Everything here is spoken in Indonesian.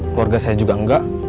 keluarga saya juga enggak